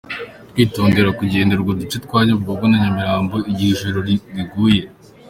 -Kwitondera kugenderera uduce twa Nyabugogo na Nyamirambo igihe ijoro riguye